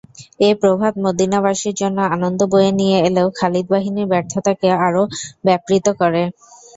এ প্রভাত মদীনাবাসীর জন্য আনন্দ বয়ে নিয়ে এলেও খালিদ বাহিনীর ব্যর্থতাকে আরো ব্যাপৃত করে।